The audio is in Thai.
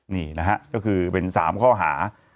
นี่นะฮะก็คือเป็น๓ข้อหา